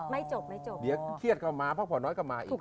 ไม่จบไม่จบเดี๋ยวเครียดก็มาพักผ่อนน้อยก็มาอีก